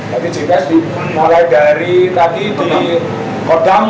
jadi gps dimulai dari tadi di kodam